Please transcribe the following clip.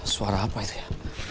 suara apa itu ya